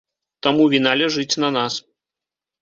Таму віна ляжыць на нас.